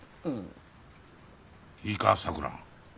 いいかさくら。